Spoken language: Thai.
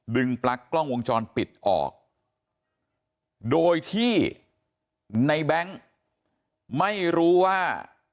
ปลั๊กกล้องวงจรปิดออกโดยที่ในแบงค์ไม่รู้ว่า